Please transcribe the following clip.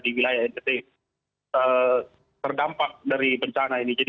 di wilayah ntt terdampak dari bencana ini